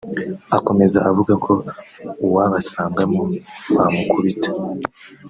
Akomeza avuga ko uwabasangamo bamukubita